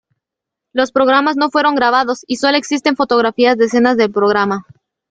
Los programas no fueron grabados, y sólo existen fotografías de escenas del programa.